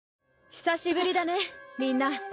久しぶりだねみんな。